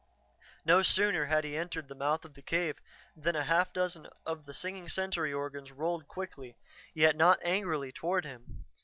No sooner had he entered the mouth of the cave than a half dozen of the singing sensory organs rolled quickly, yet not angrily, toward him.